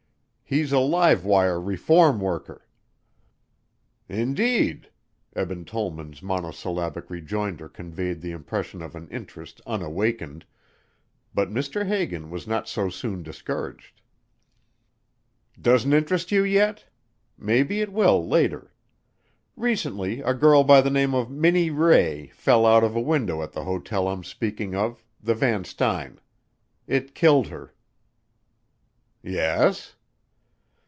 He's a live wire reform worker." "Indeed?" Eben Tollman's monosyllabic rejoinder conveyed the impression of an interest unawakened, but Mr. Hagan was not so soon discouraged. "Doesn't interest you yet? Maybe it will later. Recently a girl by the name of Minnie Ray fell out of a window at the hotel I'm speaking of the Van Styne. It killed her." "Yes?"